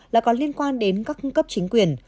là có liên quan đến các cấp chính quyền